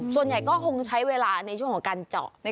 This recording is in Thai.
ส่วนใหญ่ก็คงใช้เวลาในช่วงของการเจาะ